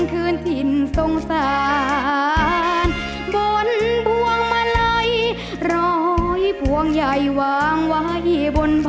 รุ่นดนตร์บุรีนามีดังใบปุ่ม